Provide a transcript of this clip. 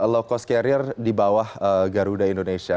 low cost carrier di bawah garuda indonesia